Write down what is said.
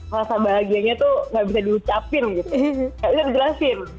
rasa bahagianya tuh gak bisa diucapin gitu nggak usah dijelasin